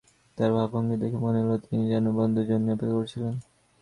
তাঁর ভাবতঙ্গি দেখে মনে হলো, তিনি যেন বন্ধুর জন্যেই অপেক্ষা করছিলেন।